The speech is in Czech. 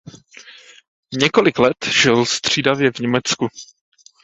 Několik let žil střídavě v Německu.